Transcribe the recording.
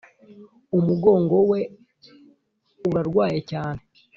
umugongo we urarwaye cyane